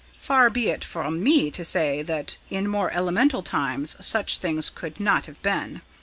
Far be it from me to say that in more elemental times such things could not have been.